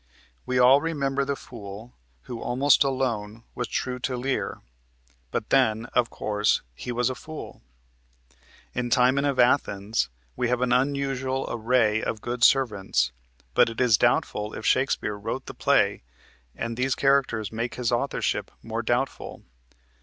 We all remember the fool who, almost alone, was true to Lear, but, then, of course, he was a fool. In "Timon of Athens" we have an unusual array of good servants, but it is doubtful if Shakespeare wrote the play, and these characters make his authorship more doubtful.